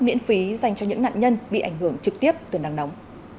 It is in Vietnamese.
miễn phí dành cho những nạn nhân bị ảnh hưởng trực tiếp từ nắng nóng